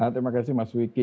terima kasih mas wiki